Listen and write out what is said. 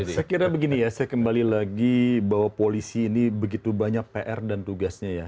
saya kira begini ya saya kembali lagi bahwa polisi ini begitu banyak pr dan tugasnya ya